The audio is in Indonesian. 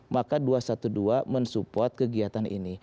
maka dua ratus dua belas mensupport kegiatan ini